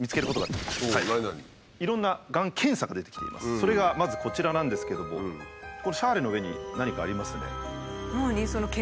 それがまずこちらなんですけどもこのシャーレの上に何かありますね。